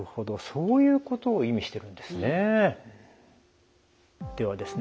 そういうことを意味してるんですね。